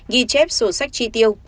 ghi chép sổ sách tri tiêu